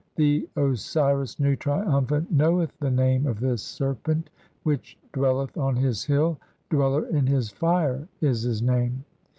The Osiris Nu, triumphant, knoweth the "name of this serpent which [dwelleth] on his hill, 'Dweller in his "fire' (6) is his name.